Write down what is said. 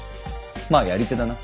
まあやり手だな。